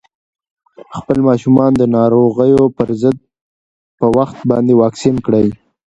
خپل ماشومان د ناروغیو پر ضد په وخت باندې واکسین کړئ.